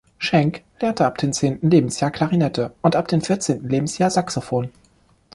Shank lernte ab dem zehnten Lebensjahr Klarinette und ab dem vierzehnten Lebensjahr Saxophon.